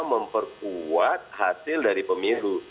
memperkuat hasil dari pemilu